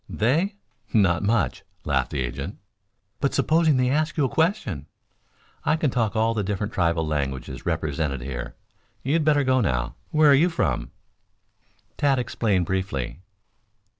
"They? Not much," laughed the agent. "But supposing they ask you a question?" "I can talk all the different tribal languages represented here. You'd better go now. Where are you from?" Tad explained briefly.